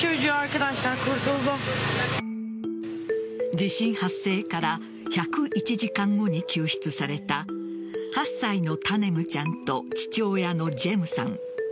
地震発生から１０１時間後に救出された８歳のタネムちゃんと父親のジェムさん。